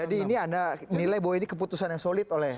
jadi ini anda nilai bahwa ini keputusan yang solid oleh